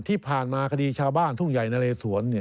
ที่ผ่านมาคดีชาวบ้านทุ่งใหญ่นะเลสวน